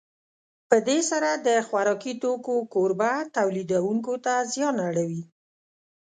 په دې سره د خوراکي توکو کوربه تولیدوونکو ته زیان اړوي.